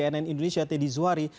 cnn indonesia teddy zuhari